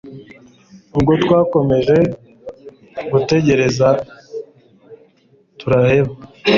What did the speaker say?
ubwo twakomeje gutegereza turaheba